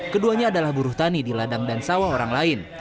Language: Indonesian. keduanya adalah buruh tani di ladang dan sawah orang lain